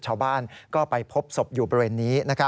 ชาวบ้านก็ไปพบศพอยู่บริเวณนี้